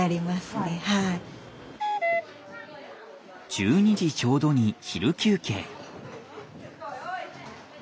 １２時ちょうどに昼休憩。